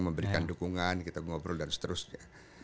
memberikan dukungan kita ngobrol dan seterusnya